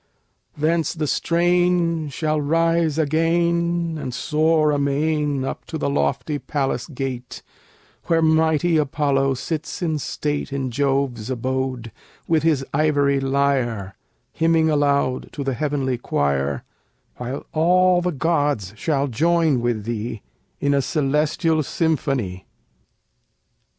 Thence the strain Shall rise again, And soar amain, Up to the lofty palace gate Where mighty Apollo sits in state In Jove's abode, with his ivory lyre, Hymning aloud to the heavenly choir, While all the gods shall join with thee In a celestial symphony.